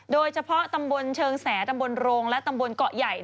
โดยเฉพาะตำบลเชิงแสตำบลโรงและตำบลเกาะใหญ่